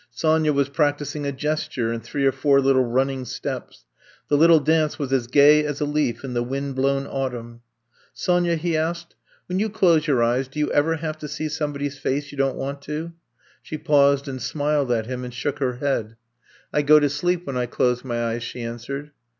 Sonya was practising a gesture and three or four little running steps. The Uttle dance was as gay as a leaf in the wind blown autumn. Sonya, '^ he asked, *'when you close your eyes do you ever have to see some body's face you don't want tof" She paused and smiled at him and shook her head. 172 I'VE COME TO STAY 173 *^I go to sleep when I close my eyes, she answered.